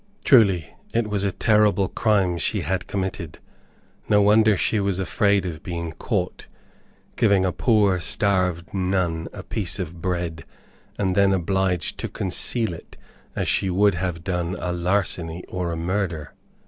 Truly, it was a terrible crime she had committed! No wonder she was afraid of being caught! Giving a poor starved nun a piece of bread, and then obliged to conceal it as she would have done a larceny or a murder!